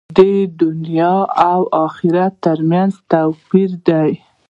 د دنیا او آخرت تر منځ توپیر دی.